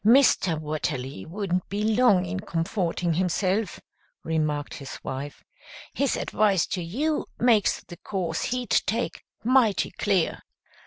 "Mr. Watterly wouldn't be long in comforting himself," remarked his wife. "His advice to you makes the course he'd take mighty clear."